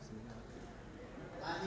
ini alamat di